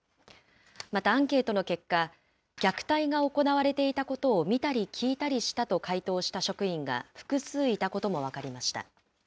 またアンケートの結果、虐待が行われていたことを見たり聞いたりしたと回答した職員が複数いたことも分かりました。